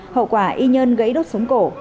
hậu quả y nhân gãy đốt súng cổ